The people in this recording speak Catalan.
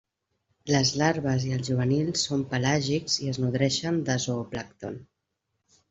Les larves i els juvenils són pelàgics i es nodreixen de zooplàncton.